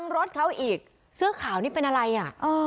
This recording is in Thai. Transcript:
รถเขาอีกเสื้อขาวนี่เป็นอะไรอ่ะ